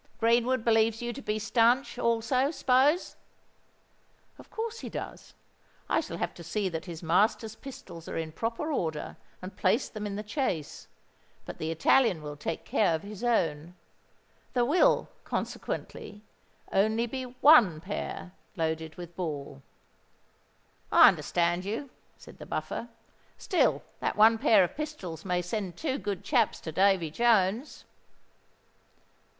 "Greenwood believes you to be stanch also, s'pose?" "Of course he does. I shall have to see that his master's pistols are in proper order, and place them in the chaise; but the Italian will take care of his own. There will, consequently, only be one pair loaded with ball." "I understand you," said the Buffer. "Still that one pair of pistols may send two good chaps to Davy Jones."